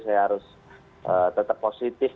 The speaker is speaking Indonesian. saya harus tetap positif